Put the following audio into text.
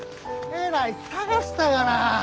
えらい捜したがな！